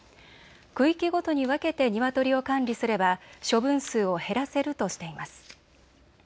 区域ごとに分けてニワトリを管理すれば処分数を減らせるとしています。